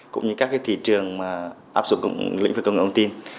cũng như các thị trường áp dụng lĩnh vực công nghệ ống tin